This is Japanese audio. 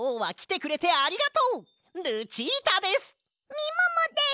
みももです！